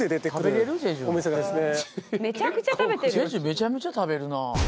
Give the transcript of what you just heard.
めちゃめちゃ食べるな。